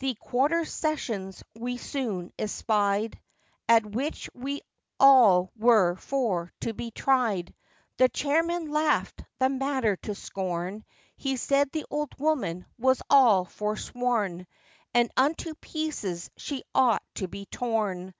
The quarter sessions we soon espied, At which we all were for to be tried; The Chairman laughed the matter to scorn, He said the old woman was all forsworn, And unto pieces she ought to be torn.